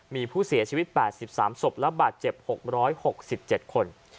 มีผู้เสียชีวิต๘๓ศพและบาดเจ็บ๖๖๗คน